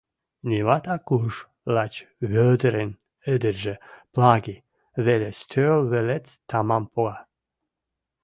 Нимат ак уж, лач Вӧдӹрӹн ӹдӹржӹ, Плаги, веле стӧл вӹлец тамам пога.